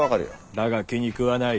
だが気に食わない。